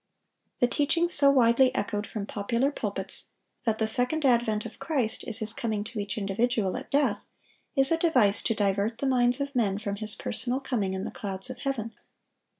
The teaching so widely echoed from popular pulpits, that the second advent of Christ is His coming to each individual at death, is a device to divert the minds of men from His personal coming in the clouds of heaven.